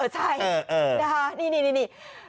ใช่